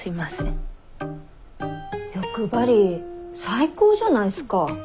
欲張り最高じゃないっすか。